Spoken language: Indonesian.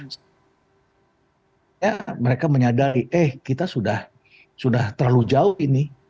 mereka menyadari eh kita sudah terlalu jauh ini